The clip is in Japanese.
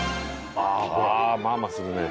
あまあまあするね。